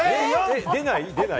出ない？